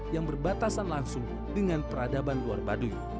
yang berbatasan langsung dengan peradaban luar baduy